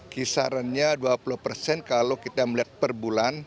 kisarannya dua puluh persen kalau kita melihat per bulan